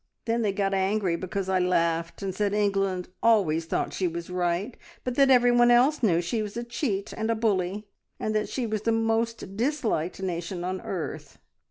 Then they got angry because I laughed, and said England always thought she was right, but that everyone else knew she was a cheat and a bully, and that she was the most disliked nation on earth!